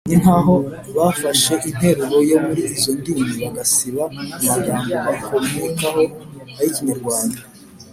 ni nkaho bafashe interuro yo muri izo ndimi bagasiba amagambo bakomekaho ay’ikinyarwanda.